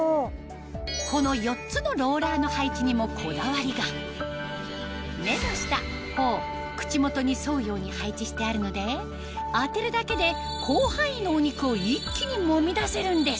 この４つの目の下頬口元に沿うように配置してあるので当てるだけで広範囲のお肉を一気にもみ出せるんです